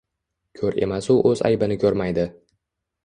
Ko’r emasu o’z aybini ko’rmaydi.